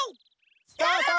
スタート！